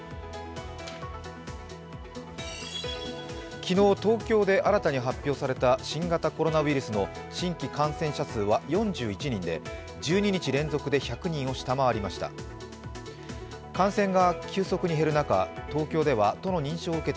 昨日、東京で新たに発表された新型コロナウイルスの新規感染者数は４１人で１２日連続で１００人を下回りました。